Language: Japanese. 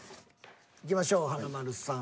いきましょう華丸さん。